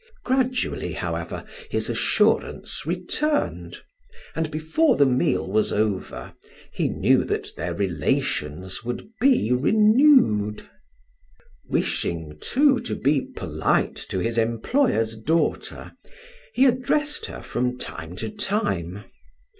Gradually, however, his assurance returned, and before the meal was over, he knew that their relations would be renewed. Wishing, too, to be polite to his employer's daughter, he addressed her from time to time.